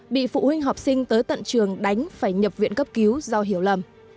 bị phụ huynh học sinh tới tận trường đánh phải nhập viện cấp cứu do hiểu lầm